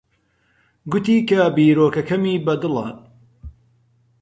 گوتی کە بیرۆکەکەمی بەدڵە.